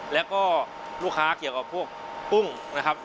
แล้วก็ลูกค้าเกี่ยวกับพวกกุ้งนะครับ